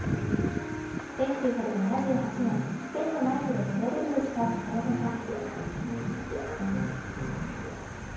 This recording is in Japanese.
１９７８年、「千のナイフ」でソロデビューした坂本さん。